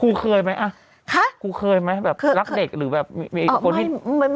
คุณเคยไหมอ่ะคุณเคยไหมแบบรักเด็กหรือแบบมีอีกคนที่